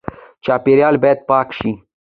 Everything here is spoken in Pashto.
چاپیریال باید پاک شي